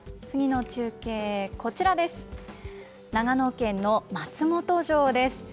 次の中継、こちらです。